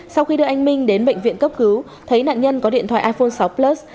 sau khi đưa anh minh đến bệnh viện cấp cứu thấy nạn nhân có điện thoại iphone sáu plus